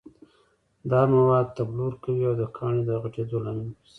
دا مواد تبلور کوي او د کاڼي د غټېدو لامل ګرځي.